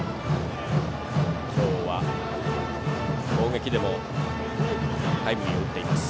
今日は攻撃でもタイムリーを打っています。